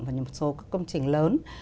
và những một số các công trình lớn